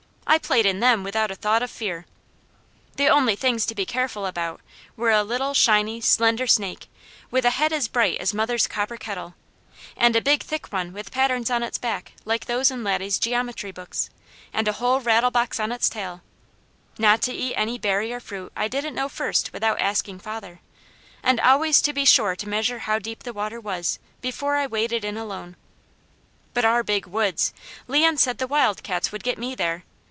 I played in them without a thought of fear. The only things to be careful about were a little, shiny, slender snake, with a head as bright as mother's copper kettle, and a big thick one with patterns on its back like those in Laddie's geometry books, and a whole rattlebox on its tail; not to eat any berry or fruit I didn't know without first asking father; and always to be sure to measure how deep the water was before I waded in alone. But our Big Woods! Leon said the wildcats would get me there.